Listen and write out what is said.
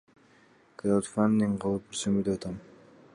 Краудфандинг кылып көрсөмбү деп атам.